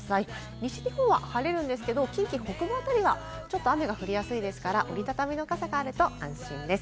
西日本は晴れるんですけど、近畿の北部辺りはちょっと雨が降りやすいですから折り畳みの傘があると安心です。